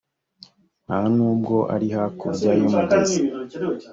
nta n’ubwo ari hakurya y’umugezi